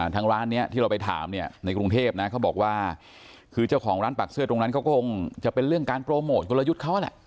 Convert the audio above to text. ทางร้านนี้ที่เราไปถามเนี่ยในกรุงเทพนะเขาบอกว่าคือเจ้าของร้านปักเสื้อตรงนั้นเขาก็คงจะเป็นเรื่องการโปรโมทกลยุทธ์เขาแหละ